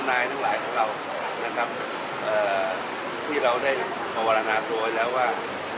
ทุกท่านทั้งหลายทั้งเราที่เราได้ประวัลนาตัวแล้วว่า